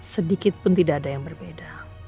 sedikit pun tidak ada yang berbeda